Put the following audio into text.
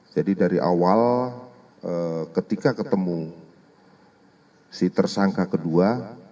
jadi dari awal ketika ketemu si tersangka kedua